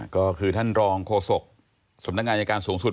ก็คือท่านรองโฆษกสำนักงานอายการสูงสุด